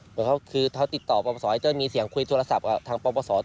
เหมือนกับคือเขาติดต่อประวัติศาสตร์ให้เจ้ามีเสียงคุยโทรศัพท์กับทางประวัติศาสตร์